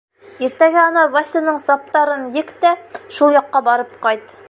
Иртәгә ана Васяның саптарын ек тә шул яҡҡа барып ҡайт.